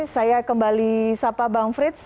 saya kembali sapa bang frits